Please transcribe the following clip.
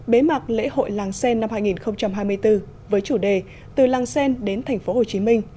bế mạc lễ hội làng xen năm hai nghìn hai mươi bốn với chủ đề từ làng xen đến tp hcm